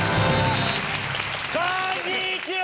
こんにちは！